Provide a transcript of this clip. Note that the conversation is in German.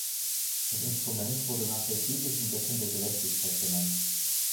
Das Instrument wurde nach der griechischen Göttin der Gerechtigkeit benannt.